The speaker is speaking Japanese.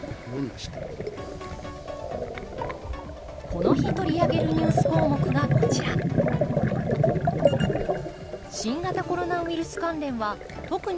この日取り上げるニュース項目がこちら新型コロナウイルス関連は特に重要だと考え